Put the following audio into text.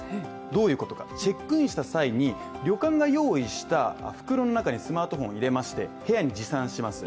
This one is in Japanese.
どういうことか、チェックインした際に、旅館が用意した袋の中にスマートフォンを入れまして、部屋に持参します